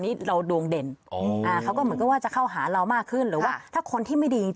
มีธุระต้องไปย้ายบ้านละมั้ง